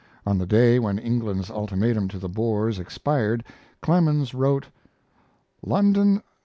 On the day when England's ultimatum to the Boers expired Clemens wrote: LONDON, 3.